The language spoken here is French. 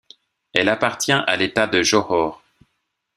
Elle appartient à l'État de Johor.